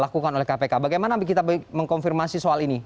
dilakukan oleh kpk bagaimana kita mengkonfirmasi soal ini